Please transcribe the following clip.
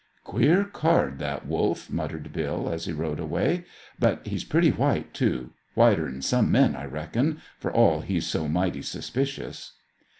"Queer card, that Wolf!" muttered Bill, as he rode away. "But he's pretty white, too; whiter'n some men, I reckon, for all he's so mighty suspicious."